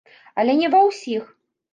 Але не ва ўсіх.